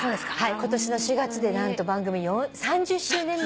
今年の４月で何と番組４３０周年目。